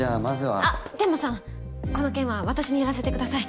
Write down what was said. あっ天間さんこの件は私にやらせてください。